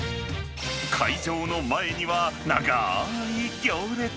会場の前には長ーい行列。